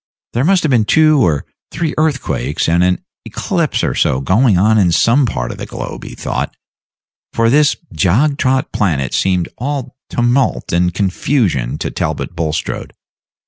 There must have been two or three earthquakes and an eclipse or so going on in some part of the globe, he thought, for this jog trot planet seemed all tumult and confusion to Talbot Bulstrode.